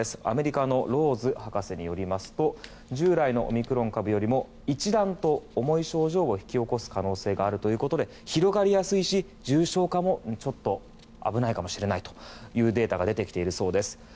アメリカのローズ博士によりますと従来のオミクロン株よりも一段と重い症状を引き起こす可能性があるということで広がりやすいし、重症化もちょっと危ないかもしれないというデータが出てきているそうです。